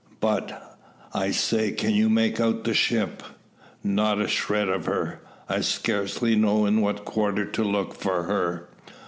But, I say, can you make out the ship?" "Not a shred of her. I scarcely know in what quarter to look for her."